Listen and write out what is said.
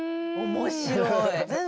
面白い！